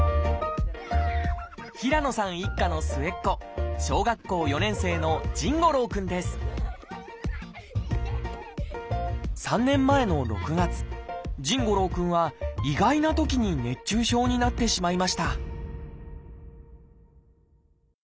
平野さん一家の末っ子小学校４年生の３年前の６月臣伍朗くんは意外なときに熱中症になってしまいました